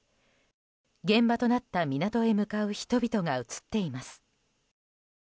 現場となった港へ向かう人々が映っています。